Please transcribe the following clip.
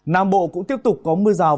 nam bộ cũng tiếp tục có mưa rào